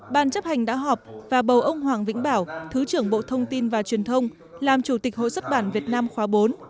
ban chấp hành đã họp và bầu ông hoàng vĩnh bảo thứ trưởng bộ thông tin và truyền thông làm chủ tịch hội xuất bản việt nam khóa bốn